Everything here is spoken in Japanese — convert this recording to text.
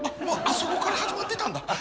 もうあそこから始まってたんだ。